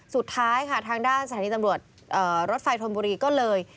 สุดท้ายค่ะทางด้านสถานีตำรวจรถไฟธนบุรีก็เลย